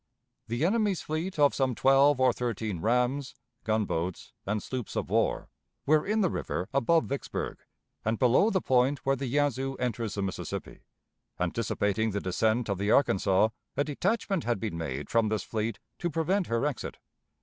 The enemy's fleet of some twelve or thirteen rams, gunboats, and sloops of war, were in the river above Vicksburg, and below the point where the Yazoo enters the Mississippi. Anticipating the descent of the Arkansas, a detachment had been made from this fleet to prevent her exit.